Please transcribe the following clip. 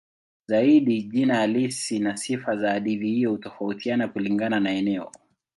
Zaidi jina halisi na sifa za hadithi hiyo hutofautiana kulingana na eneo.